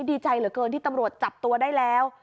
ดีใจเหลือเกินที่ตำรวจจับตัวได้แล้ว